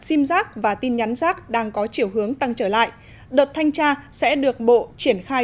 sim rác và tin nhắn rác đang có chiều hướng tăng trở lại đợt thanh tra sẽ được bộ triển khai